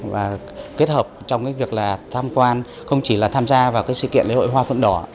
và kết hợp trong việc tham quan không chỉ là tham gia vào cái sự kiện lễ hội hoa phượng đỏ